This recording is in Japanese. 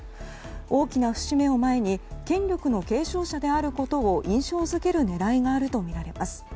大きな節目を前に権力の継承者であることを印象付ける狙いがあるとみられます。